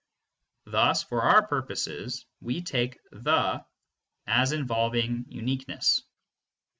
Thus for our purposes we take the as involving uniqueness.